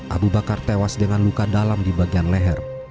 abu bakar tewas dengan luka dalam di bagian leher